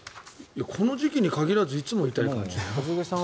この時期に限らず常に痛い感じ。